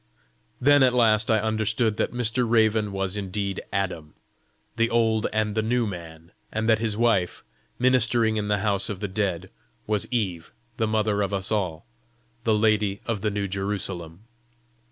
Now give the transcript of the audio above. Then at last I understood that Mr. Raven was indeed Adam, the old and the new man; and that his wife, ministering in the house of the dead, was Eve, the mother of us all, the lady of the New Jerusalem.